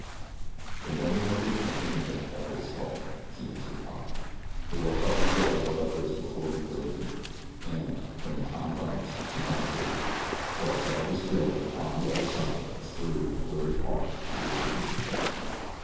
"The memory of it and him will always help me," she answered quietly. "They will help me to bear whatever is before me bravely, and, when the time comes, to die bravely; for I shall always feel that upon the other side a true, brave heart is awaiting me."